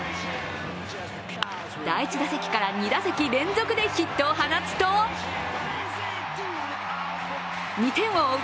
第１打席から２打席連続でヒットを放つと２点を追う